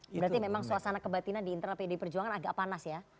berarti memang suasana kebatinan di internal pdi perjuangan agak panas ya